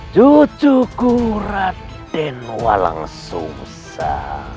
jujuku raden walang sungsa